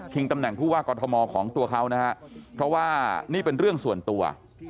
ตำแหน่งผู้ว่ากอทมของตัวเขานะฮะเพราะว่านี่เป็นเรื่องส่วนตัว